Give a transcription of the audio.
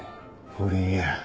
不倫や。